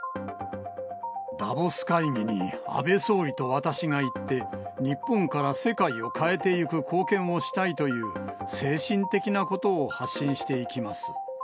ダボス会議に安倍総理と私が行って、日本から世界を変えてゆく貢献をしたいという精神的なことを発信